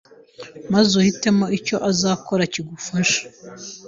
maze uhitemo icyo uzakora kigufasha